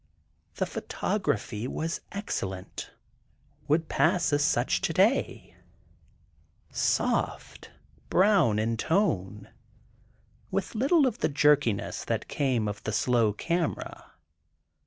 The photography was excellent, would pass as such today: soft, brown in tone, with little of the jerkiness that came of the slow camera.